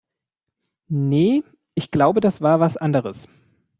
Nee, ich glaube, das war was anderes.